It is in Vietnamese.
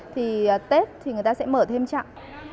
thì tết thì người ta sẽ mở thêm chặng